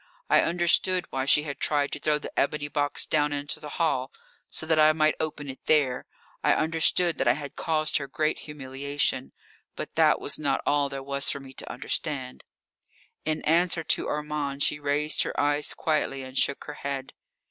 I understood why she had tried to throw the ebony box down into the hall so that I might open it there I understood that I had caused her great humiliation. But that was not all there was for me to understand. In answer to Armand she raised her eyes quietly, and shook her head.